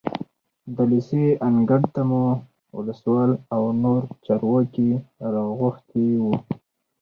د لېسې انګړ ته مو ولسوال او نور چارواکي راغوښتي وو.